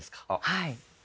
はい。